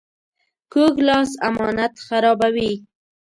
کوږ لاس امانت خرابوي